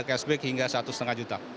cashback hingga satu lima juta